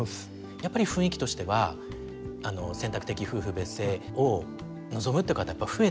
やっぱり雰囲気としては選択的夫婦別姓を望むっていう方増えてる傾向にあるんですか？